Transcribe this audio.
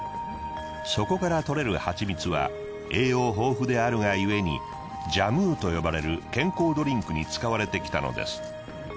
そこから採れる蜂蜜は栄養豊富であるがゆえにジャムウと呼ばれる健康ドリンクに使われてきたのです。